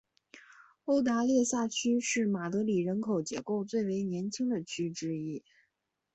欧达列萨区是马德里人口结构最为年轻的区之一。